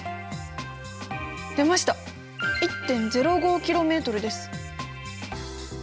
出ました１．０５ｋｍです。